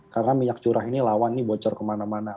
karena minyak curah ini lawan nih bocor kemana mana